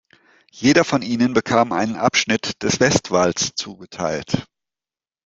Jeder von ihnen bekam einen Abschnitt des Westwalls zugeteilt.